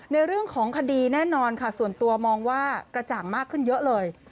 ในเรื่องของคดีแน่นอนค่ะส่วนตัวมองว่ากระจ่างมากขึ้นเยอะเลย